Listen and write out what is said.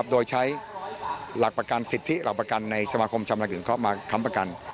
โดยใช้สิทธิหลักประกันในสมชมเข้ามาทำประกัน